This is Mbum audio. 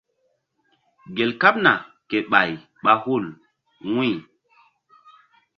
Gel kaɓna ke ɓay ɓa hul wu̧y.